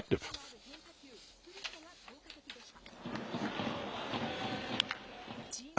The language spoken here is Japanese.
落差のある変化球、スプリットが効果的でした。